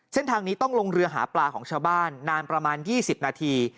เส้นทางนี้ต้องลงเรือหาปลาของชาวบ้านนานประมาณ๒๐นาที